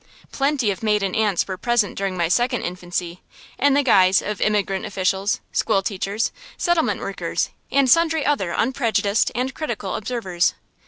Plenty of maiden aunts were present during my second infancy, in the guise of immigrant officials, school teachers, settlement workers, and sundry other unprejudiced and critical observers.